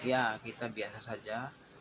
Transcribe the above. ya kita biasa saja